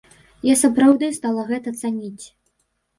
Я сапраўды стала гэта цаніць.